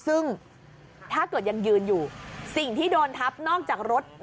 ซึ่งถ้าเกิดยังยืนอยู่สิ่งที่โดนทับนอกจากรถ